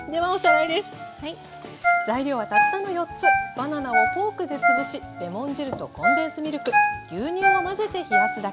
バナナをフォークで潰しレモン汁とコンデンスミルク牛乳を混ぜて冷やすだけ。